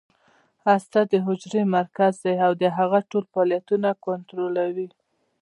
هسته د حجرې مرکز دی او د هغې ټول فعالیتونه کنټرولوي